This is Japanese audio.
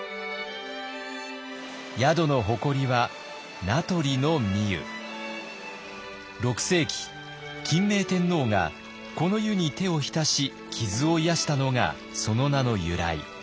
宿の誇りは６世紀欽明天皇がこの湯に手を浸し傷を癒やしたのがその名の由来。